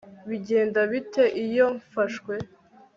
Bigenda bite iyo mfashwe